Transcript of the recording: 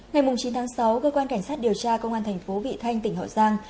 ngày chín tháng sáu cơ quan cảnh sát điều tra công an thành phố vị thanh tỉnh hậu giang